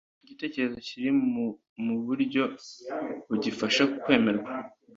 igitekerezo kiri mu mu buryo bugifasha kwemerwa